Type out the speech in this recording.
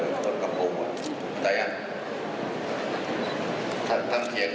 น้ำจารย์